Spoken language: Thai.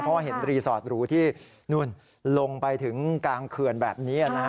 เพราะเห็นรีสอร์ตหรูที่นู่นลงไปถึงกลางเขื่อนแบบนี้